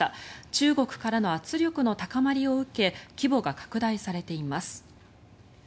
中国からの圧力の高まりを受け規模が拡大されています。